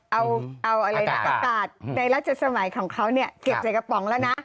เอาอากาศในราชสมัยของเขาเก็บใส่กระป๋องแล้วนะ